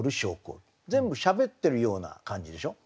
全部しゃべってるような感じでしょ？